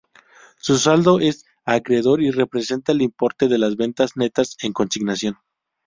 Su saldo es acreedor y representa el importe de las ventas netas en consignación.